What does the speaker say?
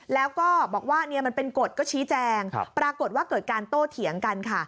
แล้วก็บอกว่ามันเป็นกฎก็ชี้แจงปรากฏว่าเกิดการโต้เถียงกันค่ะ